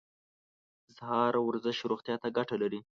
د سهار ورزش روغتیا ته ګټه لري.